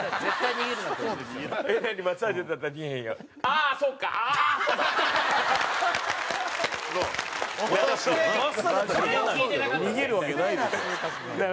逃げるわけないでしょ。